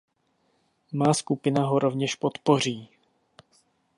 Má skupina ho rovněž podpoří.